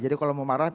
jadi kalau mau marah